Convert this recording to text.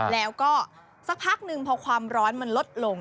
แล้วก็สักพักหนึ่งพอความร้อนมันลดลง